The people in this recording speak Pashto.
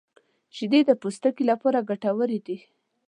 • شیدې د پوستکي لپاره ګټورې دي.